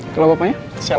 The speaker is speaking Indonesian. kalau gue apa ya